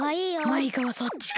マイカはそっちか。